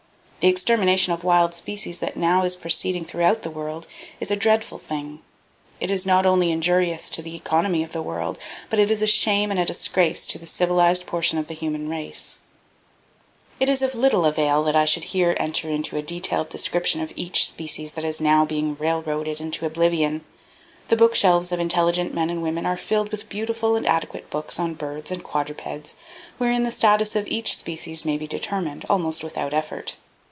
The extermination of wild species that now is proceeding throughout the world, is a dreadful thing. It is not only injurious to the economy of the world, but it is a shame and a disgrace to the civilized portion of the human race. It is of little avail that I should here enter into a detailed description of each species that now is being railroaded into oblivion. The bookshelves of intelligent men and women are filled with beautiful and adequate books on birds and quadrupeds, wherein the status of each species may be determined, almost without effort.